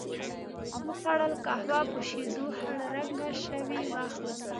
و خوړل، قهوه په شیدو خړ رنګه شوې وه.